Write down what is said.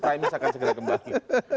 prime news akan segera kembali